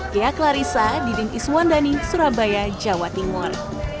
kia klarissa diding iswandani surabaya jawa timur